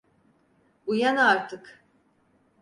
Uyan artık!